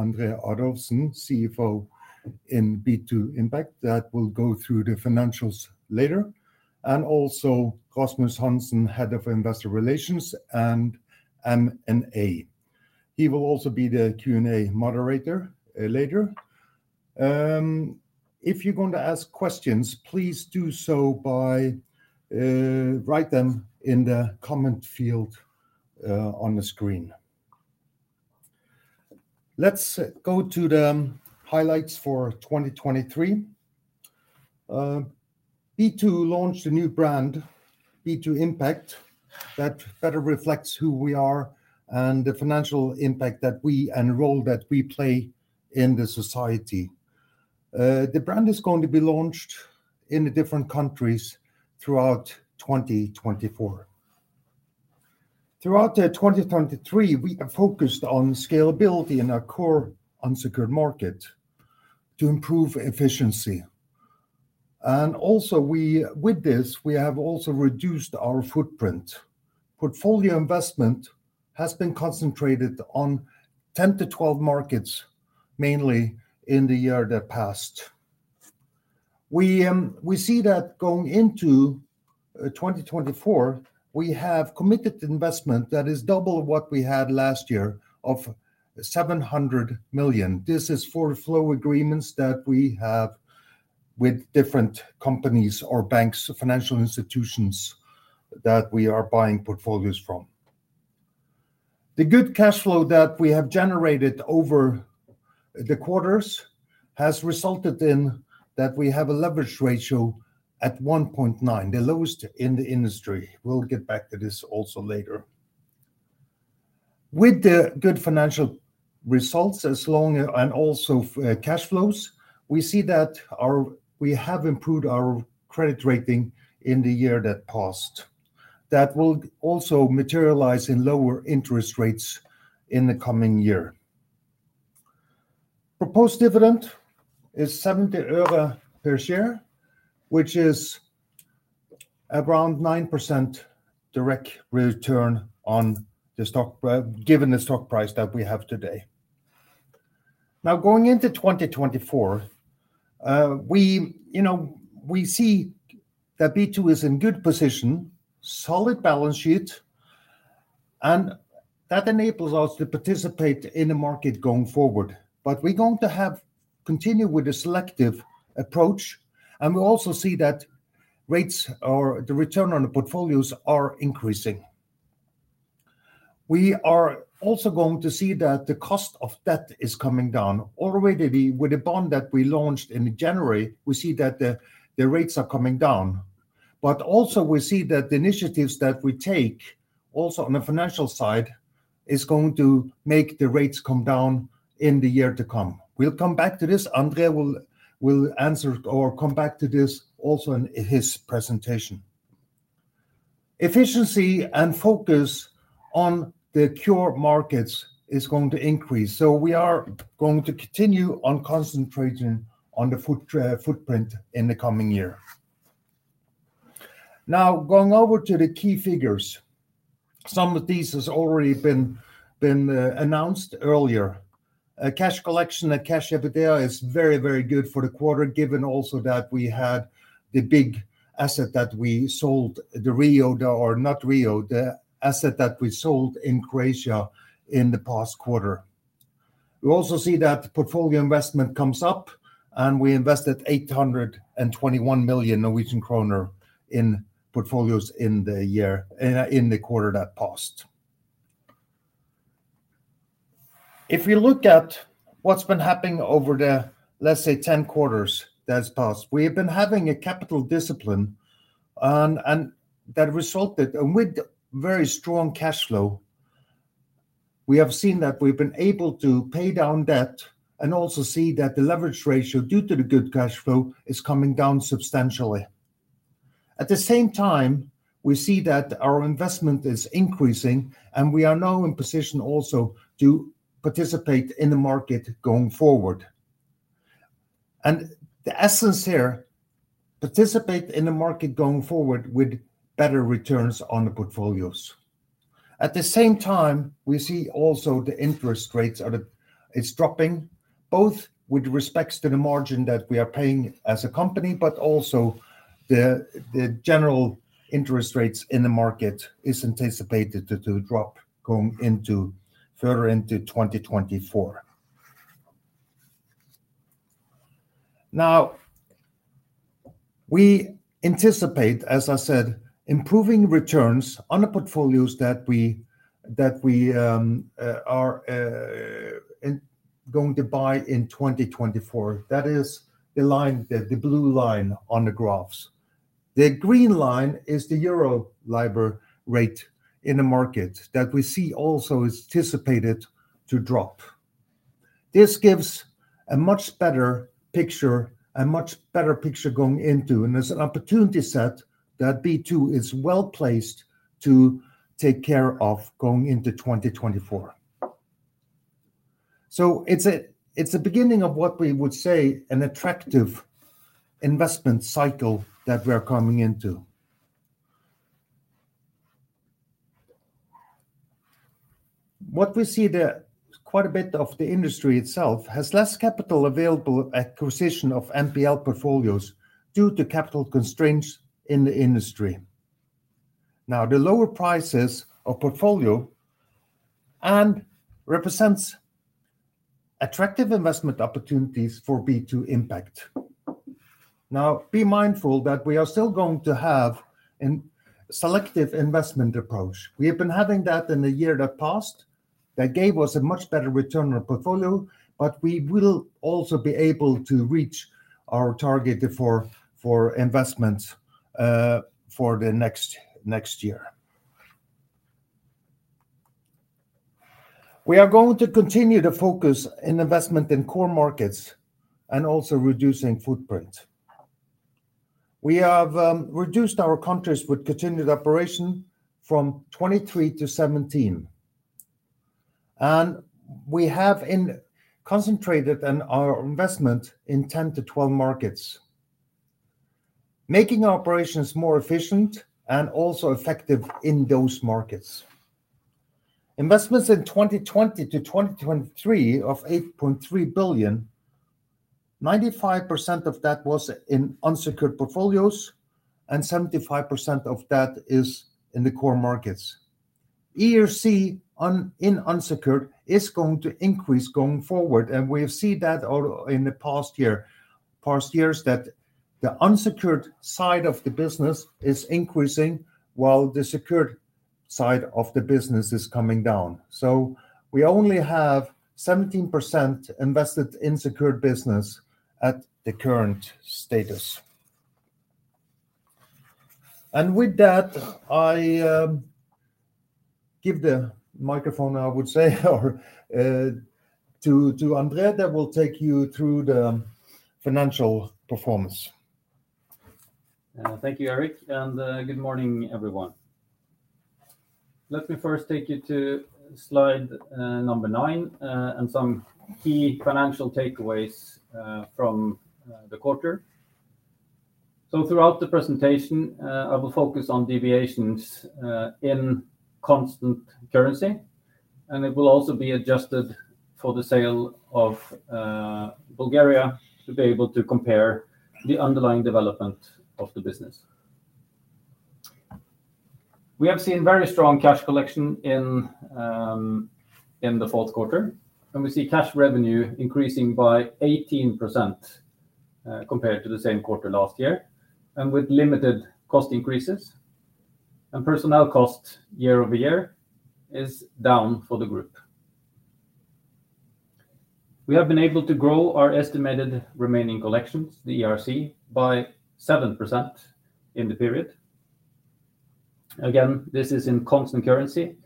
André Adolfsen, CFO in B2 Impact, that will go through the financials later, and also Rasmus Hansson, Head of Investor Relations and M&A. He will also be the Q&A moderator later. If you're going to ask questions, please do so by writing them in the comment field on the screen. Let's go to the highlights for 2023. B2 launched a new brand, B2 Impact, that better reflects who we are and the financial impact that we and the role that we play in society. The brand is going to be launched in different countries throughout 2024. Throughout 2023, we have focused on scalability in our core unsecured market to improve efficiency. And also, with this, we have also reduced our footprint. Portfolio investment has been concentrated on 10-12 markets, mainly in the year that passed. We see that going into 2024, we have committed investment that is double what we had last year of 700 million. This is for flow agreements that we have with different companies or banks, financial institutions that we are buying portfolios from. The good cash flow that we have generated over the quarters has resulted in that we have a leverage ratio at 1.9, the lowest in the industry. We'll get back to this also later. With the good financial results and also cash flows, we see that we have improved our credit rating in the year that passed. That will also materialize in lower interest rates in the coming year. Proposed dividend is NOK 70 per share, which is around 9% direct return given the stock price that we have today. Now, going into 2024, we see that B2 is in good position, solid balance sheet, and that enables us to participate in the market going forward. But we're going to continue with a selective approach, and we also see that rates or the return on the portfolios are increasing. We are also going to see that the cost of debt is coming down. Already with the bond that we launched in January, we see that the rates are coming down. But also, we see that the initiatives that we take, also on the financial side, are going to make the rates come down in the year to come. We'll come back to this. André will answer or come back to this also in his presentation. Efficiency and focus on the pure markets are going to increase. So we are going to continue on concentrating on the footprint in the coming year. Now, going over to the key figures, some of these have already been announced earlier. Cash collections and Cash EBITDA are very, very good for the quarter, given also that we had the big asset that we sold, the REO or not REO, the asset that we sold in Croatia in the past quarter. We also see that portfolio investment comes up, and we invested 821 million Norwegian kroner in portfolios in the quarter that passed. If you look at what's been happening over the, let's say, 10 quarters that's passed, we have been having a capital discipline that resulted in very strong cash flow. We have seen that we've been able to pay down debt and also see that the leverage ratio due to the good cash flow is coming down substantially. At the same time, we see that our investment is increasing, and we are now in position also to participate in the market going forward. And the essence here, participate in the market going forward with better returns on the portfolios. At the same time, we see also the interest rates are dropping, both with respect to the margin that we are paying as a company, but also the general interest rates in the market are anticipated to drop further into 2024. Now, we anticipate, as I said, improving returns on the portfolios that we are going to buy in 2024. That is the line, the blue line on the graphs. The green line is the EURIBOR in the market that we see also is anticipated to drop. This gives a much better picture, a much better picture going into, and it's an opportunity set that B2 is well placed to take care of going into 2024. So it's the beginning of what we would say an attractive investment cycle that we're coming into. What we see there, quite a bit of the industry itself has less capital available at acquisition of NPL portfolios due to capital constraints in the industry. Now, the lower prices of portfolio represent attractive investment opportunities for B2 Impact. Now, be mindful that we are still going to have a selective investment approach. We have been having that in the year that passed. That gave us a much better return on portfolio, but we will also be able to reach our target for investments for the next year. We are going to continue to focus on investment in core markets and also reducing footprint. We have reduced our countries with continued operation from 23 to 17. We have concentrated our investment in 10 to 12 markets, making our operations more efficient and also effective in those markets. Investments in 2020 to 2023 of 8.3 billion, 95% of that was in unsecured portfolios, and 75% of that is in the core markets. ERC in unsecured is going to increase going forward, and we have seen that in the past years that the unsecured side of the business is increasing while the secured side of the business is coming down. So we only have 17% invested in secured business at the current status. And with that, I give the microphone, I would say, to André that will take you through the financial performance. Thank you, Erik. Good morning, everyone. Let me first take you to slide number nine and some key financial takeaways from the quarter. Throughout the presentation, I will focus on deviations in constant currency, and it will also be adjusted for the sale of Bulgaria to be able to compare the underlying development of the business. We have seen very strong cash collection in the fourth quarter, and we see cash revenue increasing by 18% compared to the same quarter last year, and with limited cost increases. Personnel cost year-over-year is down for the group. We have been able to grow our estimated remaining collections, the ERC, by 7% in the period. Again, this is in constant currency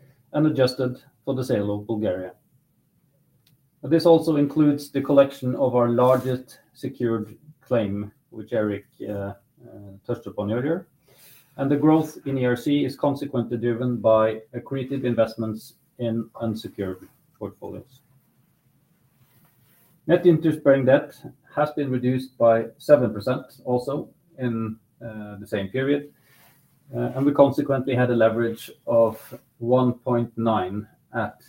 and adjusted for the sale of Bulgaria. This also includes the collection of our largest secured claim, which Erik touched upon earlier. The growth in ERC is consequently driven by accretive investments in unsecured portfolios. Net interest bearing debt has been reduced by 7% also in the same period. We consequently had a leverage of 1.9 at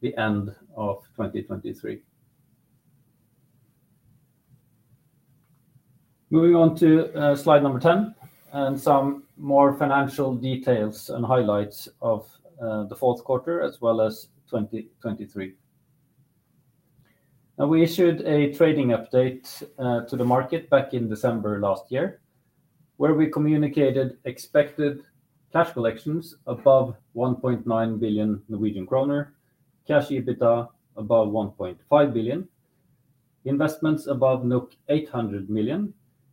the end of 2023. Moving on to slide 10 and some more financial details and highlights of the fourth quarter as well as 2023. Now, we issued a trading update to the market back in December last year where we communicated expected cash collections above 1.9 billion Norwegian kroner, cash EBITDA above 1.5 billion, investments above 800 million,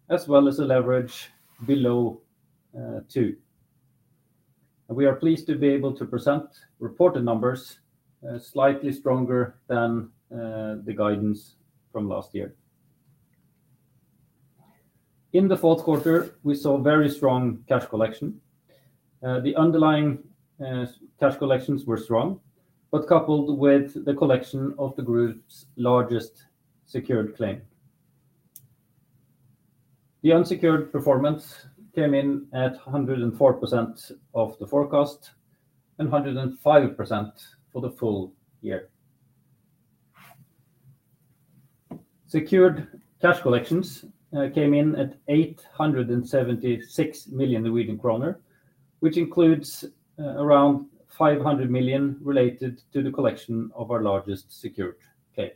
as well as a leverage below two. We are pleased to be able to present reported numbers slightly stronger than the guidance from last year. In the fourth quarter, we saw very strong cash collection. The underlying cash collections were strong, but coupled with the collection of the group's largest secured claim. The unsecured performance came in at 104% of the forecast and 105% for the full year. Secured cash collections came in at 876 million Norwegian kroner, which includes around 500 million related to the collection of our largest secured claim.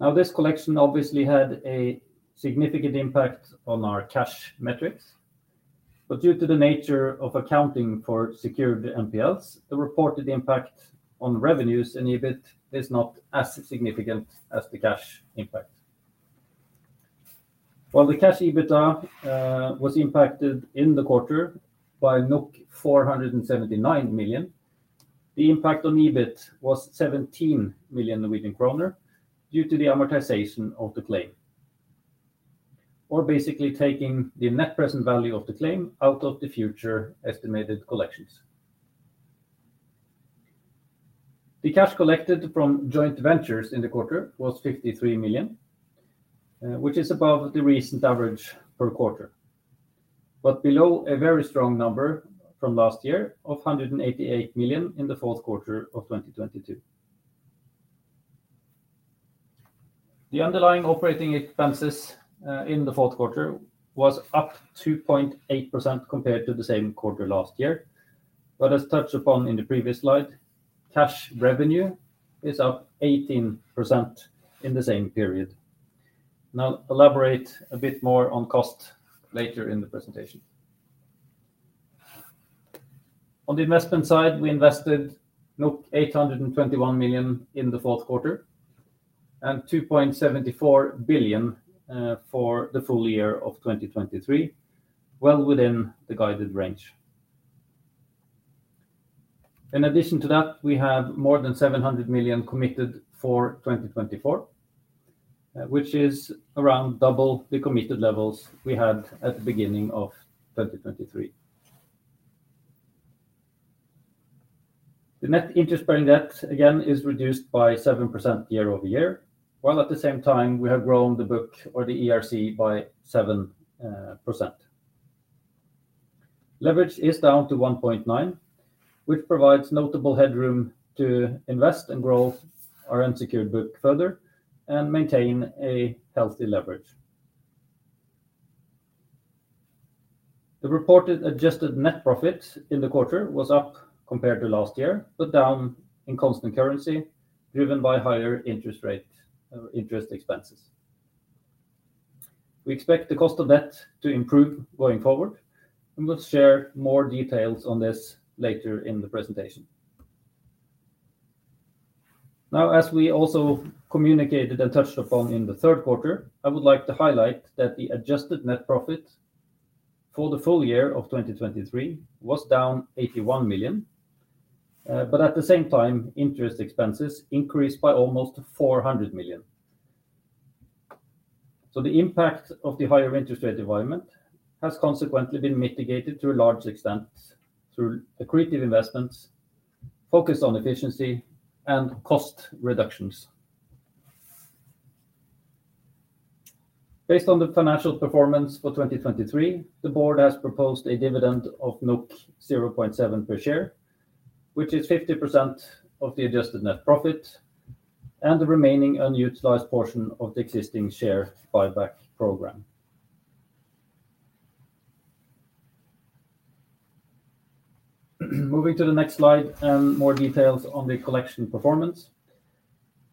Now, this collection obviously had a significant impact on our cash metrics. But due to the nature of accounting for secured NPLs, the reported impact on revenues and EBIT is not as significant as the cash impact. While the cash EBITDA was impacted in the quarter by 479 million, the impact on EBIT was 17 million Norwegian kroner due to the amortization of the claim, or basically taking the net present value of the claim out of the future estimated collections. The cash collected from joint ventures in the quarter was 53 million, which is above the recent average per quarter, but below a very strong number from last year of 188 million in the fourth quarter of 2022. The underlying operating expenses in the fourth quarter were up 2.8% compared to the same quarter last year. But as touched upon in the previous slide, cash revenue is up 18% in the same period. Now, elaborate a bit more on cost later in the presentation. On the investment side, we invested 821 million in the fourth quarter and 2.74 billion for the full year of 2023, well within the guided range. In addition to that, we have more than 700 million committed for 2024, which is around double the committed levels we had at the beginning of 2023. The net interest-bearing debt, again, is reduced by 7% year-over-year, while at the same time, we have grown the book or the ERC by 7%. Leverage is down to 1.9, which provides notable headroom to invest and grow our unsecured book further and maintain a healthy leverage. The reported adjusted net profit in the quarter was up compared to last year, but down in constant currency driven by higher interest rate or interest expenses. We expect the cost of debt to improve going forward, and we'll share more details on this later in the presentation. Now, as we also communicated and touched upon in the third quarter, I would like to highlight that the adjusted net profit for the full year of 2023 was down 81 million, but at the same time, interest expenses increased by almost 400 million. So the impact of the higher interest rate environment has consequently been mitigated to a large extent through accretive investments focused on efficiency and cost reductions. Based on the financial performance for 2023, the board has proposed a dividend of 0.7 per share, which is 50% of the adjusted net profit and the remaining unutilized portion of the existing share buyback program. Moving to the next slide and more details on the collection performance.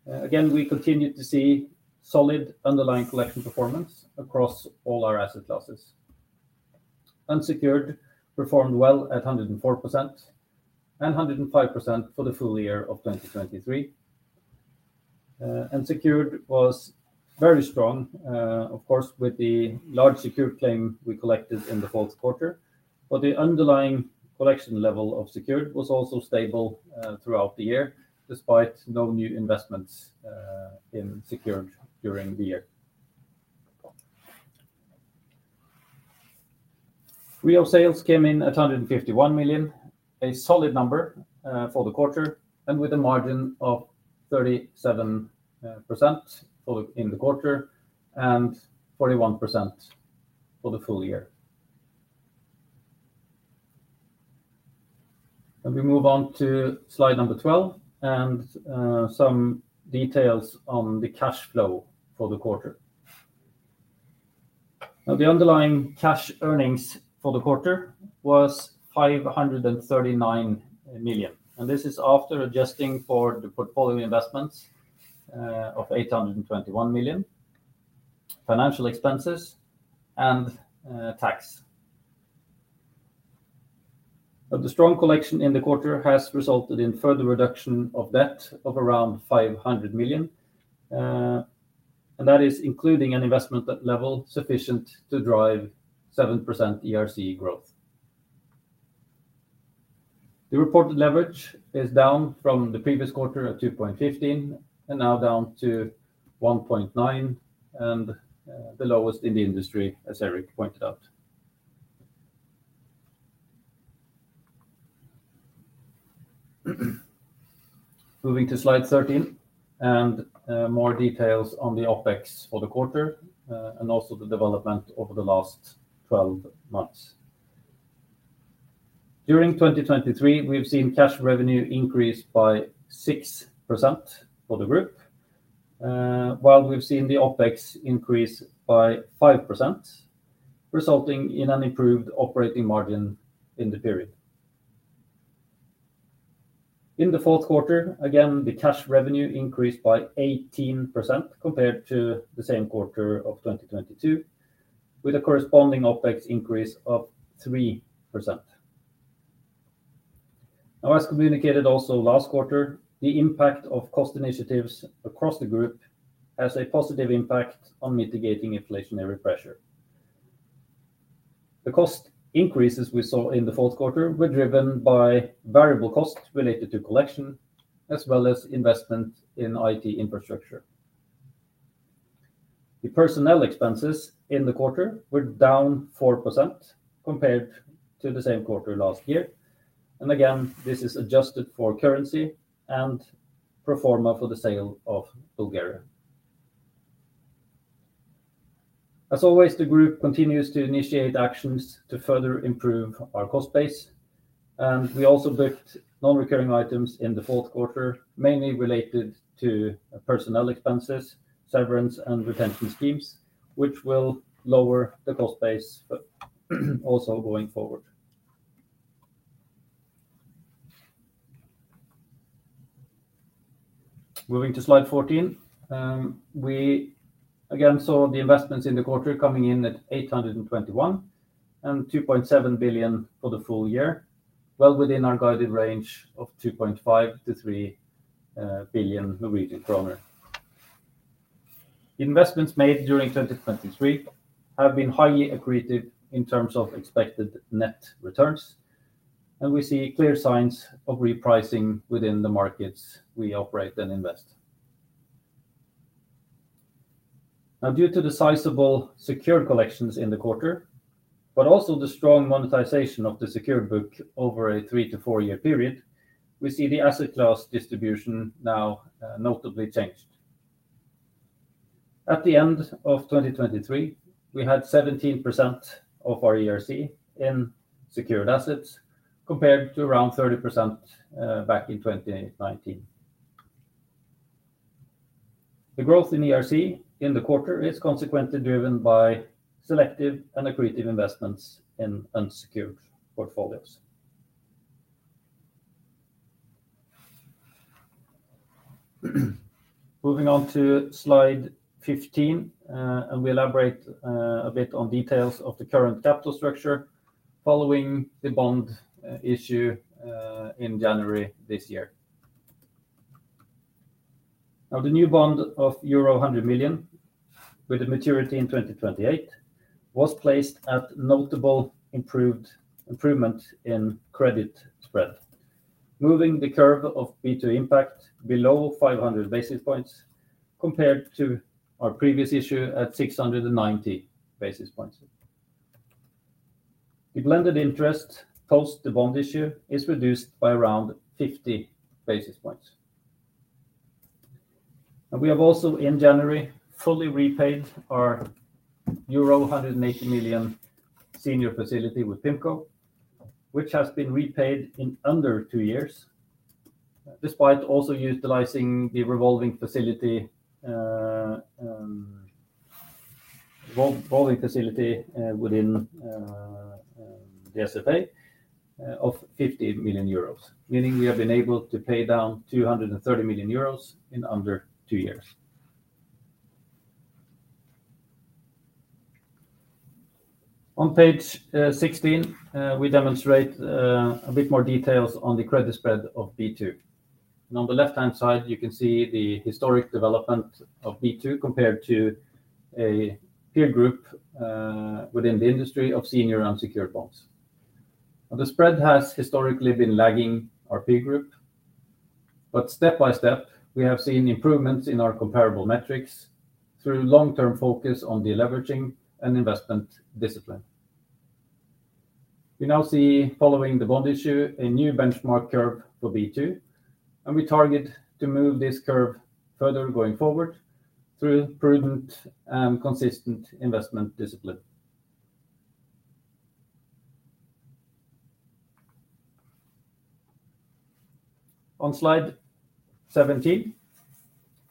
Again, we continue to see solid underlying collection performance across all our asset classes. Unsecured performed well at 104%-105% for the full year of 2023. Unsecured was very strong, of course, with the large secured claim we collected in the fourth quarter. But the underlying collection level of secured was also stable throughout the year despite no new investments in secured during the year. REO sales came in at 151 million, a solid number for the quarter, and with a margin of 37% in the quarter and 41% for the full year. We move on to slide number 12 and some details on the cash flow for the quarter. Now, the underlying cash earnings for the quarter were 539 million. This is after adjusting for the portfolio investments of 821 million, financial expenses, and tax. The strong collection in the quarter has resulted in further reduction of debt of around 500 million. That is including an investment level sufficient to drive 7% ERC growth. The reported leverage is down from the previous quarter at 2.15 and now down to 1.9, and the lowest in the industry, as Erik pointed out. Moving to slide 13 and more details on the OpEx for the quarter and also the development over the last 12 months. During 2023, we have seen cash revenue increase by 6% for the group, while we have seen the OpEx increase by 5%, resulting in an improved operating margin in the period. In the fourth quarter, again, the cash revenue increased by 18% compared to the same quarter of 2022, with a corresponding OpEx increase of 3%. Now, as communicated also last quarter, the impact of cost initiatives across the group has a positive impact on mitigating inflationary pressure. The cost increases we saw in the fourth quarter were driven by variable costs related to collection as well as investment in IT infrastructure. The personnel expenses in the quarter were down 4% compared to the same quarter last year. And again, this is adjusted for currency and pro forma for the sale of Bulgaria. As always, the group continues to initiate actions to further improve our cost base. And we also booked non-recurring items in the fourth quarter, mainly related to personnel expenses, severance, and retention schemes, which will lower the cost base also going forward. Moving to slide 14, we again saw the investments in the quarter coming in at 821 billion-2.7 billion for the full year, well within our guided range of 2.5 billion-3 billion Norwegian kroner. The investments made during 2023 have been highly accretive in terms of expected net returns. And we see clear signs of repricing within the markets we operate and invest. Now, due to the sizable secured collections in the quarter, but also the strong monetization of the secured book over a three to four year period, we see the asset class distribution now notably changed. At the end of 2023, we had 17% of our ERC in secured assets compared to around 30% back in 2019. The growth in ERC in the quarter is consequently driven by selective and accretive investments in unsecured portfolios. Moving on to slide 15, and we elaborate a bit on details of the current capital structure following the bond issue in January this year. Now, the new bond of euro 100 million with a maturity in 2028 was placed at notable improvement in credit spread, moving the curve of B2 Impact below 500 basis points compared to our previous issue at 690 basis points. The blended interest post the bond issue is reduced by around 50 basis points. We have also, in January, fully repaid our euro 180 million senior facility with PIMCO, which has been repaid in under two years despite also utilizing the revolving facility within the SFA of 50 million euros, meaning we have been able to pay down 230 million euros in under two years. On page 16, we demonstrate a bit more details on the credit spread of B2. On the left-hand side, you can see the historic development of B2 compared to a peer group within the industry of senior unsecured bonds. The spread has historically been lagging our peer group. Step by step, we have seen improvements in our comparable metrics through long-term focus on deleveraging and investment discipline. We now see, following the bond issue, a new benchmark curve for B2. We target to move this curve further going forward through prudent and consistent investment discipline. On slide 17,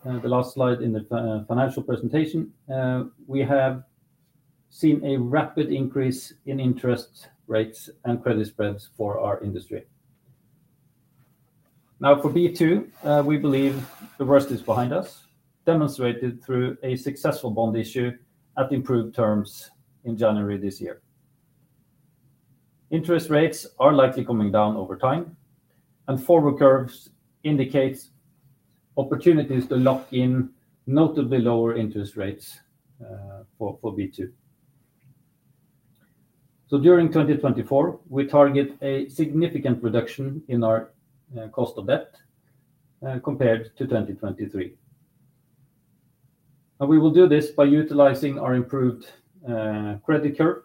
the last slide in the financial presentation, we have seen a rapid increase in interest rates and credit spreads for our industry. Now, for B2, we believe the worst is behind us, demonstrated through a successful bond issue at improved terms in January this year. Interest rates are likely coming down over time. Forward curves indicate opportunities to lock in notably lower interest rates for B2. During 2024, we target a significant reduction in our cost of debt compared to 2023. We will do this by utilizing our improved credit curve.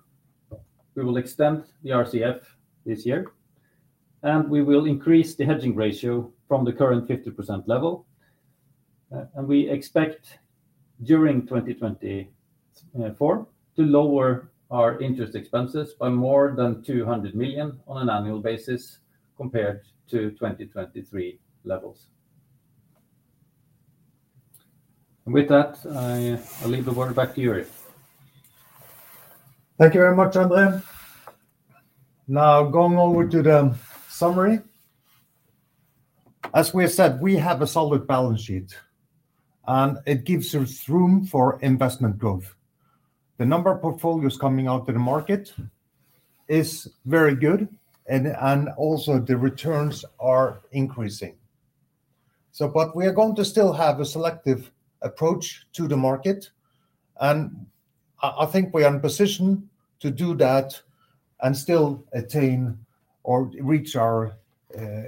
We will extend the RCF this year. We will increase the hedging ratio from the current 50% level. We expect during 2024 to lower our interest expenses by more than 200 million on an annual basis compared to 2023 levels. And with that, I'll leave the word back to Erik. Thank you very much, André. Now, going over to the summary. As we have said, we have a solid balance sheet, and it gives us room for investment growth. The number of portfolios coming out to the market is very good, and also the returns are increasing. But we are going to still have a selective approach to the market. And I think we are in position to do that and still attain or reach our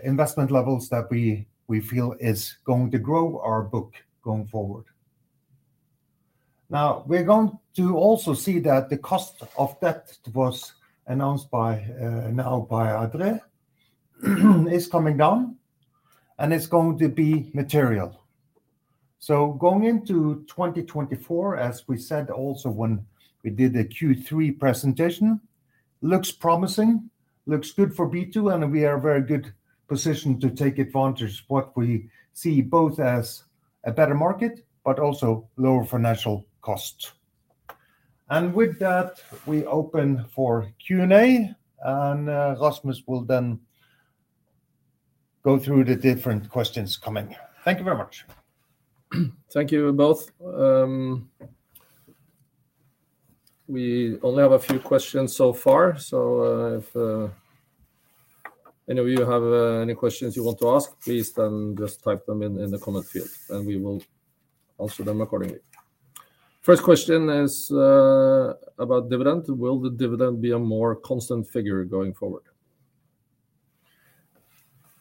investment levels that we feel is going to grow our book going forward. Now, we're going to also see that the cost of debt that was announced now by André is coming down, and it's going to be material. So going into 2024, as we said also when we did the Q3 presentation, looks promising, looks good for B2, and we are in a very good position to take advantage of what we see both as a better market but also lower financial costs. And with that, we open for Q&A. And Rasmus will then go through the different questions coming. Thank you very much. Thank you both. We only have a few questions so far. So if any of you have any questions you want to ask, please then just type them in the comment field, and we will answer them accordingly. First question is about dividend. Will the dividend be a more constant figure going forward?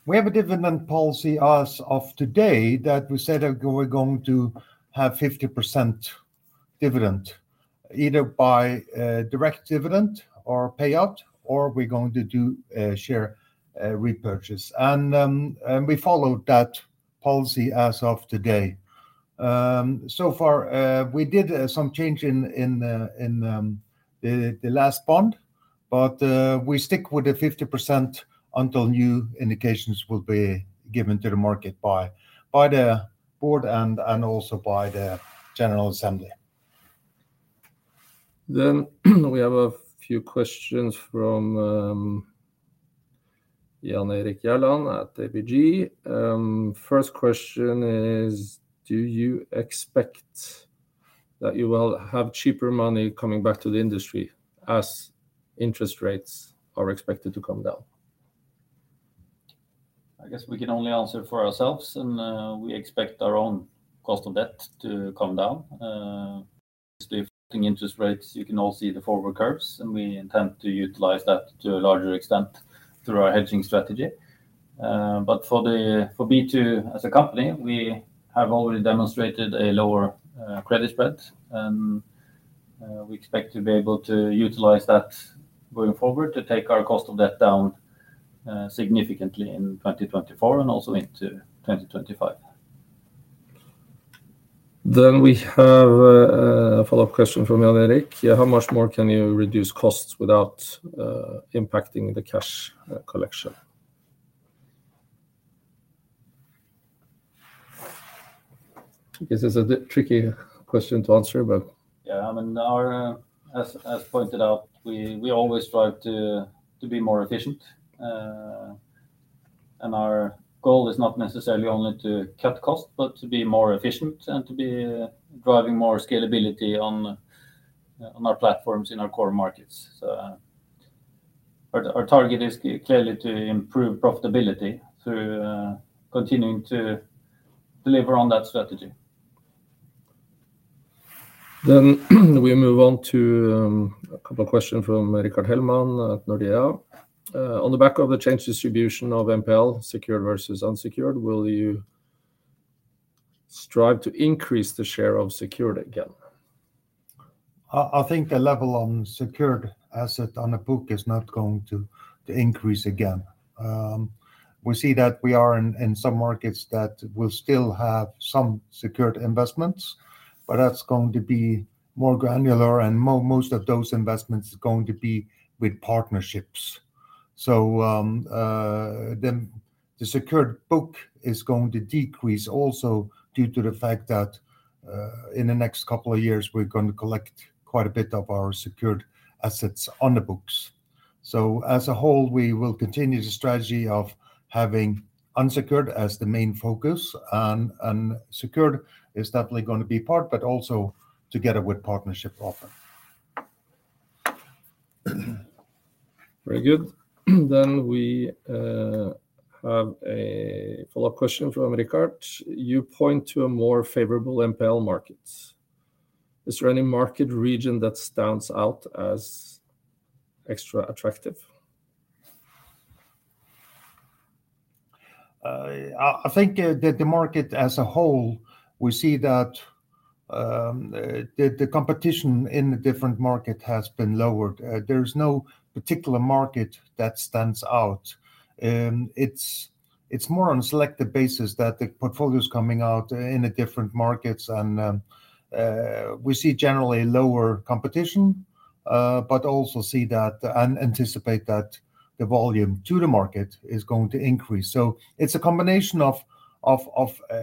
We have a dividend policy as of today that we said we're going to have 50% dividend either by direct dividend or payout, or we're going to do share repurchase. We followed that policy as of today. So far, we did some change in the last bond, but we stick with the 50% until new indications will be given to the market by the board and also by the general assembly. We have a few questions from Jan Erik Gjerland at ABG. First question is, do you expect that you will have cheaper money coming back to the industry as interest rates are expected to come down? I guess we can only answer for ourselves. We expect our own cost of debt to come down. With drifting interest rates, you can all see the forward curves, and we intend to utilize that to a larger extent through our hedging strategy. For B2 as a company, we have already demonstrated a lower credit spread. We expect to be able to utilize that going forward to take our cost of debt down significantly in 2024 and also into 2025. Then we have a follow-up question from Jan Erik Gjerland. How much more can you reduce costs without impacting the cash collection? I guess it's a tricky question to answer, but. Yeah. I mean, as pointed out, we always strive to be more efficient. And our goal is not necessarily only to cut costs, but to be more efficient and to be driving more scalability on our platforms in our core markets. So our target is clearly to improve profitability through continuing to deliver on that strategy. Then we move on to a couple of questions from Rickard Hellman at Nordea. On the back of the change distribution of NPL, secured versus unsecured, will you strive to increase the share of secured again? I think the level on secured asset on the book is not going to increase again. We see that we are in some markets that will still have some secured investments, but that's going to be more granular, and most of those investments are going to be with partnerships. So the secured book is going to decrease also due to the fact that in the next couple of years, we're going to collect quite a bit of our secured assets on the books. So as a whole, we will continue the strategy of having unsecured as the main focus. And secured is definitely going to be part, but also together with partnership often. Very good. Then we have a follow-up question from Ricard. You point to a more favorable NPL market. Is there any market region that stands out as extra attractive? I think the market as a whole, we see that the competition in the different markets has been lowered. There is no particular market that stands out. It's more on a selective basis that the portfolio is coming out in different markets. And we see generally lower competition, but also anticipate that the volume to the market is going to increase. So it's a combination of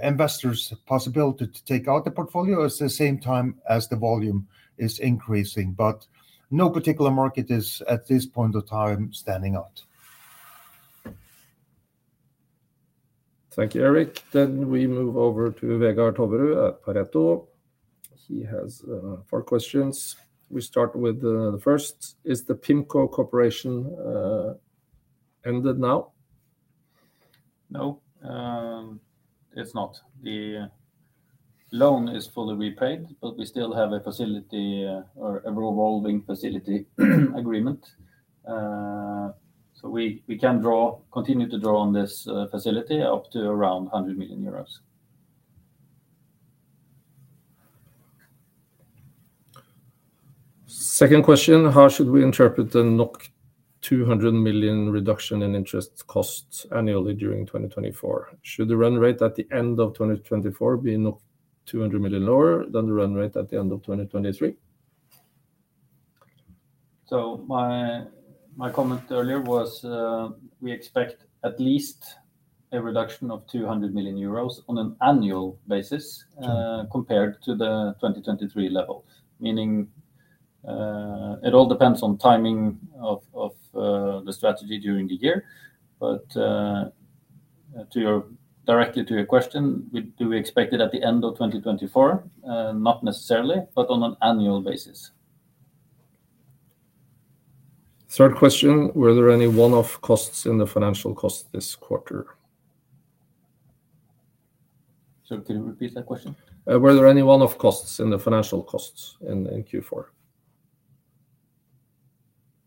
investors' possibility to take out the portfolio at the same time as the volume is increasing. But no particular market is at this point of time standing out. Thank you, Erik. Then we move over to Vegard Toverud at Pareto. He has four questions. We start with the first. Is the PIMCO Corporation ended now? No, it's not. The loan is fully repaid, but we still have a revolving facility agreement. So we can continue to draw on this facility up to around 100 million euros. Second question. How should we interpret the 200 million reduction in interest costs annually during 2024? Should the run rate at the end of 2024 be 200 million lower than the run rate at the end of 2023? So my comment earlier was we expect at least a reduction of 200 million euros on an annual basis compared to the 2023 level, meaning it all depends on timing of the strategy during the year. But directly to your question, do we expect it at the end of 2024? Not necessarily, but on an annual basis. Third question. Were there any one-off costs in the financial costs this quarter? Sorry, can you repeat that question? Were there any one-off costs in the financial costs in Q4?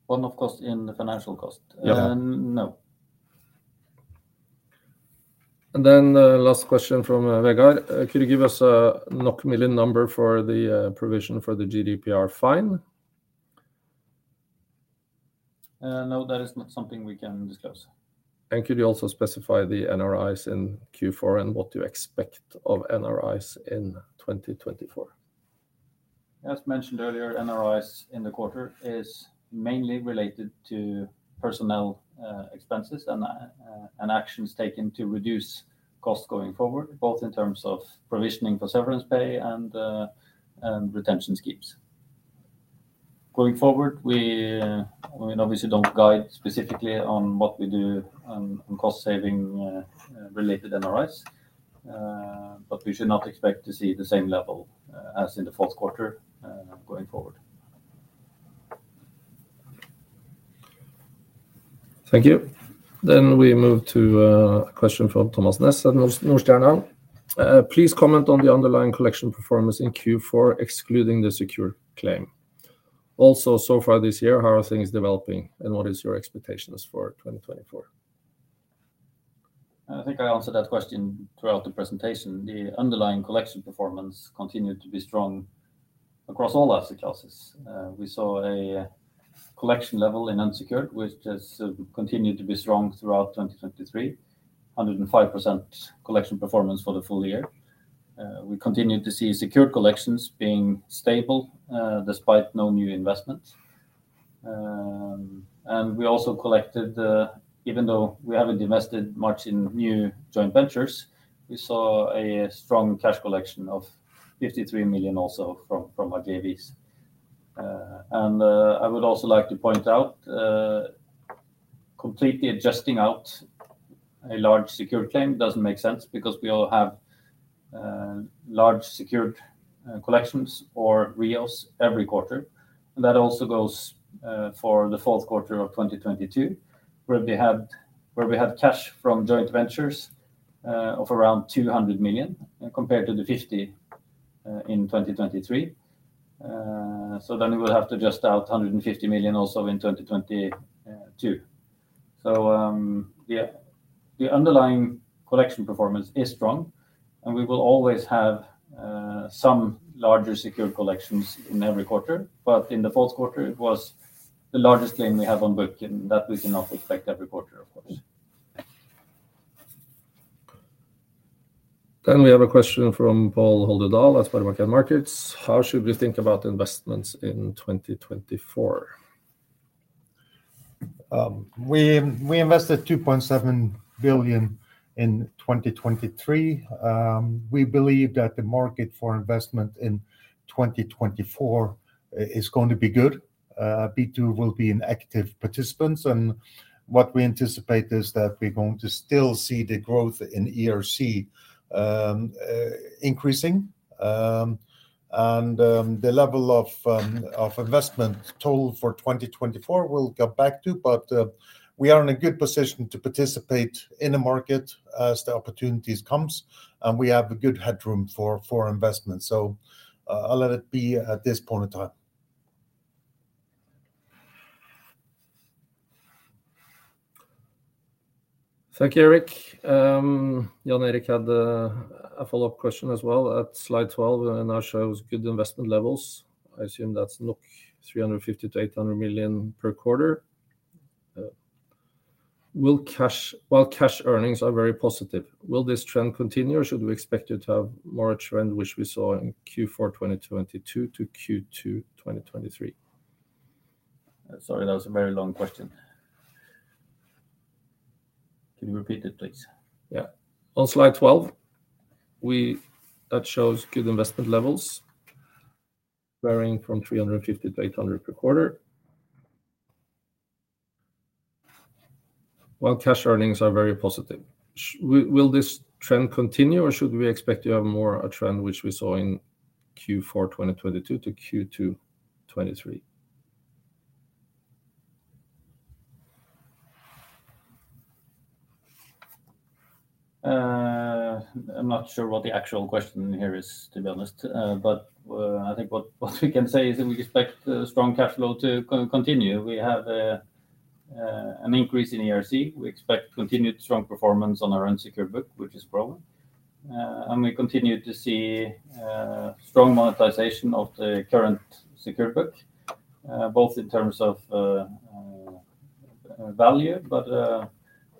One-off cost in the financial cost? No. Then the last question from Vegard. Could you give us a NOK million number for the provision for the GDPR fine? No, that is not something we can disclose. And could you also specify the NRIs in Q4 and what you expect of NRIs in 2024? As mentioned earlier, NRIs in the quarter is mainly related to personnel expenses and actions taken to reduce costs going forward, both in terms of provisioning for severance pay and retention schemes. Going forward, we obviously don't guide specifically on what we do on cost-saving-related NRIs. But we should not expect to see the same level as in the fourth quarter going forward. Thank you. Then we move to a question from Thomas Ness at Nordstjernan. Please comment on the underlying collection performance in Q4 excluding the secured claim. So far this year, how are things developing, and what is your expectations for 2024? I think I answered that question throughout the presentation. The underlying collection performance continued to be strong across all asset classes. We saw a collection level in unsecured, which has continued to be strong throughout 2023, 105% collection performance for the full year. We continued to see secured collections being stable despite no new investments. And we also collected, even though we haven't invested much in new joint ventures, we saw a strong cash collection of 53 million also from our JVs. And I would also like to point out, completely adjusting out a large secured claim doesn't make sense because we all have large secured collections or REOs every quarter. And that also goes for the fourth quarter of 2022, where we had cash from joint ventures of around 200 million compared to the 50 million in 2023. So then we would have to adjust out 150 million also in 2022. So the underlying collection performance is strong. And we will always have some larger secured collections in every quarter. But in the fourth quarter, it was the largest claim we have on book, and that we cannot expect every quarter, of course. Then we have a question from Pål Holmedahl at SpareBank 1 Markets. How should we think about investments in 2024? We invested 2.7 billion in 2023. We believe that the market for investment in 2024 is going to be good. B2 will be an active participant. And what we anticipate is that we're going to still see the growth in ERC increasing. And the level of investment total for 2024 will come back to. But we are in a good position to participate in the market as the opportunities come. And we have a good headroom for investment. So I'll let it be at this point of time. Thank you, Erik. Jan Erik had a follow-up question as well at slide 12. And it shows good investment levels. I assume that's 350-800 million per quarter. While cash earnings are very positive, will this trend continue, or should we expect it to have more a trend which we saw in Q4 2022 to Q2 2023?Sorry, that was a very long question. Can you repeat it, please? Yeah. On slide 12, that shows good investment levels varying from 350-800 million per quarter while cash earnings are very positive. Will this trend continue, or should we expect to have more a trend which we saw in Q4 2022 to Q2 2023? I'm not sure what the actual question here is, to be honest. But I think what we can say is that we expect strong cash flow to continue. We have an increase in ERC. We expect continued strong performance on our unsecured book, which is growing. And we continue to see strong monetization of the current secured book, both in terms of value but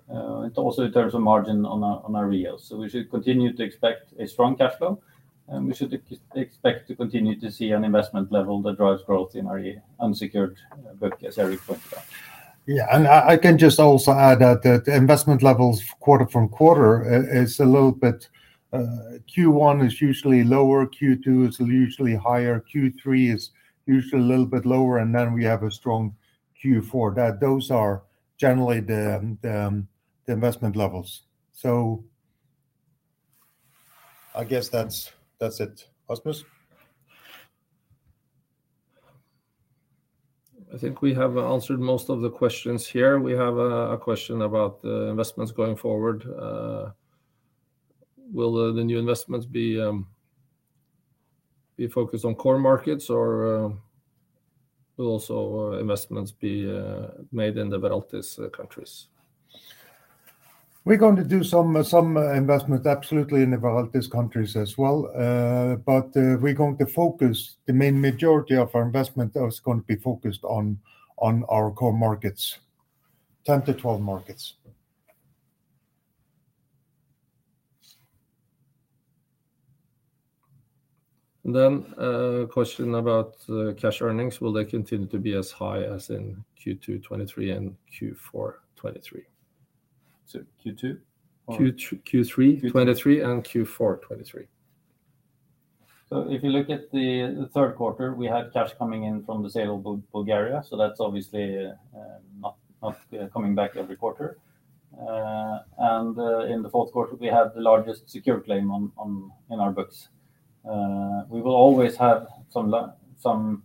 also in terms of margin on our REOs. So we should continue to expect a strong cash flow. And we should expect to continue to see an investment level that drives growth in our unsecured book, as Erik pointed out. Yeah. I can just also add that the investment levels quarter from quarter is a little bit Q1 is usually lower, Q2 is usually higher, Q3 is usually a little bit lower, and then we have a strong Q4. Those are generally the investment levels. So I guess that's it, Rasmus. I think we have answered most of the questions here. We have a question about investments going forward. Will the new investments be focused on core markets, or will also investments be made in the Baltic countries? We're going to do some investment absolutely in the Baltic countries as well. But we're going to focus the main majority of our investment is going to be focused on our core markets, 10-12 markets. And then a question about cash earnings. Will they continue to be as high as in Q2 2023 and Q4 2023? So Q2? Q3 2023 and Q4 2023. So if you look at the third quarter, we had cash coming in from the sale of Bulgaria. So that's obviously not coming back every quarter. And in the fourth quarter, we had the largest secured claim in our books. We will always have some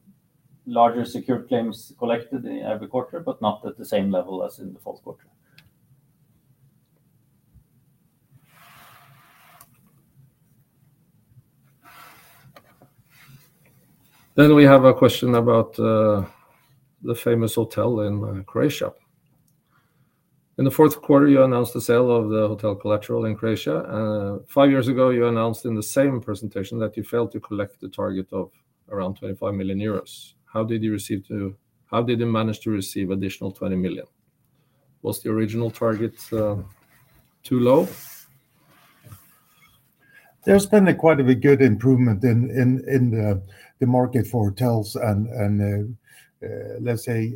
larger secured claims collected every quarter, but not at the same level as in the fourth quarter. Then we have a question about the famous hotel in Croatia. In the fourth quarter, you announced the sale of the hotel collateral in Croatia. Five years ago, you announced in the same presentation that you failed to collect the target of around 25 million euros. How did you manage to receive additional 20 million? Was the original target too low? There's been quite a good improvement in the market for hotels and, let's say,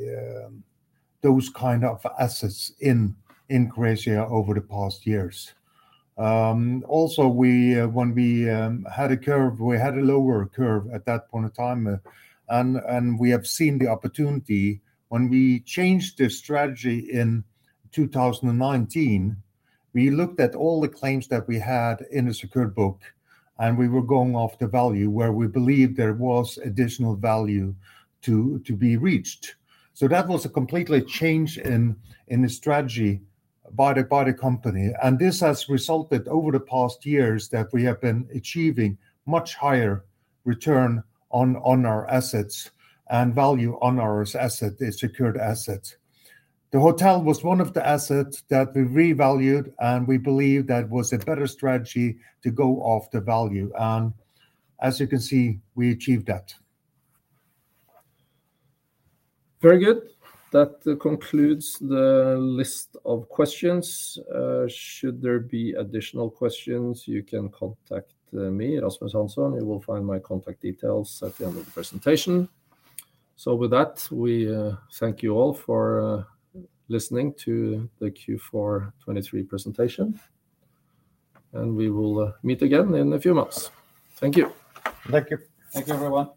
those kind of assets in Croatia over the past years. Also, when we had a curve, we had a lower curve at that point of time. We have seen the opportunity. When we changed the strategy in 2019, we looked at all the claims that we had in the secured book, and we were going off the value where we believed there was additional value to be reached. That was a complete change in the strategy by the company. This has resulted over the past years that we have been achieving much higher return on our assets and value on our secured assets. The hotel was one of the assets that we revalued, and we believe that was a better strategy to go off the value. As you can see, we achieved that. Very good. That concludes the list of questions. Should there be additional questions, you can contact me, Rasmus Hansson. You will find my contact details at the end of the presentation. With that, we thank you all for listening to the Q4 2023 presentation. We will meet again in a few months. Thank you. Thank you. Thank you, everyone.